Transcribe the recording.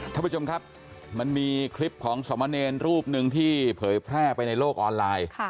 ท่านผู้ชมครับมันมีคลิปของสมเนรรูปหนึ่งที่เผยแพร่ไปในโลกออนไลน์